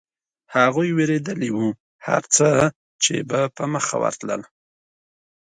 هغوی وېرېدلي و، هرڅه چې به په مخه ورتلل.